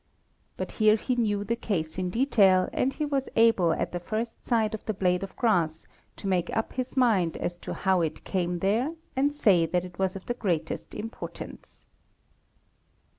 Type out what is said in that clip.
But here he knew the case in detail and he was able at the first sight of the blade of grass to make up his mind as to how it came there and say that it was of the greatest importance.